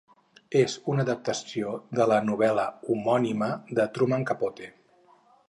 És una adaptació de la novel·la homònima de Truman Capote.